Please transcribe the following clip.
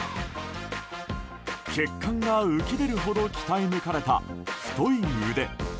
血管が浮き出るほど鍛え抜かれた太い腕。